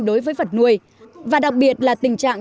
đối với vật nuôi và đặc biệt là tình trạng